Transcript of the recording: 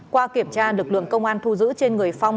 qua kiểm tra lực lượng công an thu giữ trên người phong